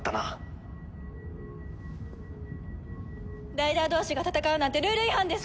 ライダー同士が戦うなんてルール違反です！